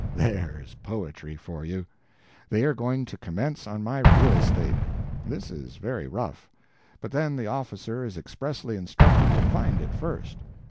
There's poetry for you! They are going to commence on my real estate. This is very rough. But then the officer is expressly instructed to find it first.